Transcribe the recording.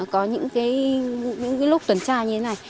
có những cái lúc tuần tra như thế này